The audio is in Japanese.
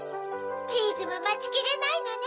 チーズもまちきれないのね。